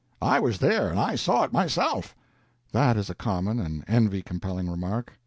"I was there, and I saw it myself." That is a common and envy compelling remark.